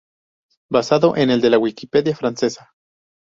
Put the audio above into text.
Basado en el de la Wikipedia francesa